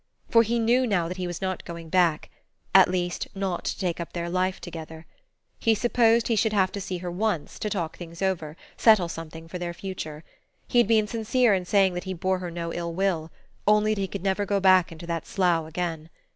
For he knew now that he was not going back; at least not to take up their life together. He supposed he should have to see her once, to talk things over, settle something for their future. He had been sincere in saying that he bore her no ill will; only he could never go back into that slough again.